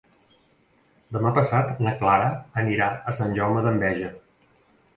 Demà passat na Clara anirà a Sant Jaume d'Enveja.